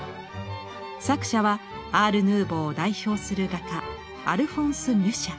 作者はアールヌーボーを代表する画家アルフォンス・ミュシャ。